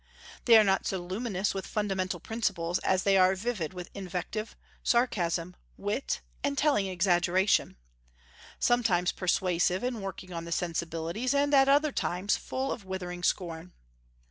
They are not so luminous with fundamental principles as they are vivid with invective, sarcasm, wit, and telling exaggeration, sometimes persuasive and working on the sensibilities, and at other times full of withering scorn.